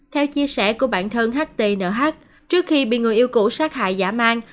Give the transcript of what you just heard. theo chia sẻ của bạn thân htnh trước khi bị người yêu cũ sát hại giả mang